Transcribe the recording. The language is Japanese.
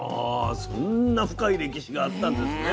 そんな深い歴史があったんですね。